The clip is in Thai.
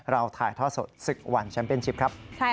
เราถ่ายท่อสดซึกวันชัมเปญชีพครับ